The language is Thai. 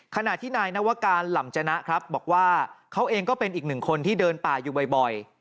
ขณะที่นายนวการหล่ำจนะครับบอกว่าเขาเองก็เป็นอีกหนึ่งคนที่เดินป่าอยู่บ่อย